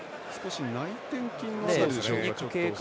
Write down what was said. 内転筋の辺りでしょうか。